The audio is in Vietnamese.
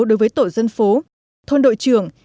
đối với tổ dân phố thôn đội trưởng